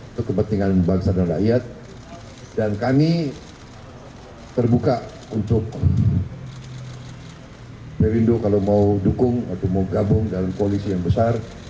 untuk kepentingan bangsa dan rakyat dan kami terbuka untuk perindo kalau mau dukung atau mau gabung dalam koalisi yang besar